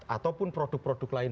ataupun produk produk lain